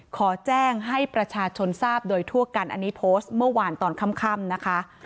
ขอแจ้งให้ประชาชนทราบโดยทั่วกันอันนี้โพสต์เมื่อวานตอนค่ำนะคะ